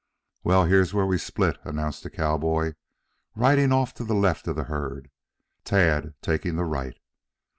"Well, here's where we split," announced the cowboy, riding off to the left of the herd, Tad taking the right.